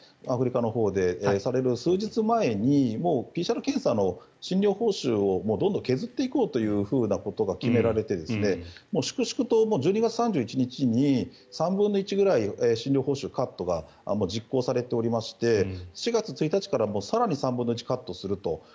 アフリカのほうでされる数日前にもうＰＣＲ検査の診療報酬をどんどん削っていこうということが決められて粛々と１２月３１日に３分の１ぐらい診療報酬カットが実行されておりまして４月１日から更に３分の１カットすると。